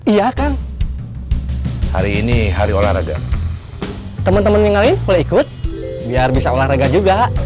iya kan hari ini hari olahraga teman teman yang lain mulai ikut biar bisa olahraga juga